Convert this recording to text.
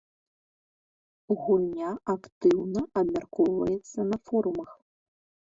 Гульня актыўна абмяркоўваецца на форумах.